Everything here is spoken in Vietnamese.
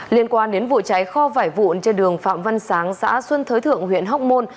liên quan đến vụ cháy kho vải vụn trên đường phạm văn sáng xã xuân thới thượng huyện hóc môn